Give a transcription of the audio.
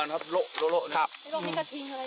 ขอบคุณทุกคน